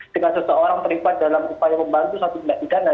jika seseorang terlibat dalam upaya membantu satu pindah pidana